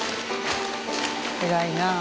偉いなあ。